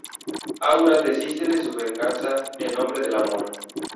Aura desiste de su venganza en nombre del amor.